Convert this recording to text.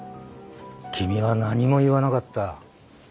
君は何も言わなかった。